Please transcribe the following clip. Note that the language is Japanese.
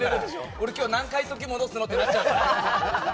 俺、今日何回時戻すの？ってなっちゃうから。